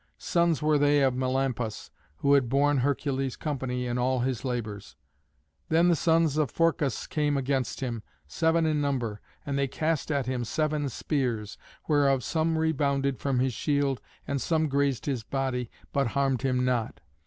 Sons were they of Melampus, who had borne Hercules company in all his labours. Then the sons of Phorcus came against him, seven in number; and they cast at him seven spears, whereof some rebounded from his shield and some grazed his body, but harmed him not.